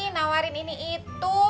nawarin ini itu